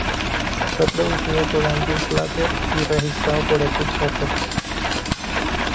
Fue producido por Andrew Slater y registrado por Epic Records.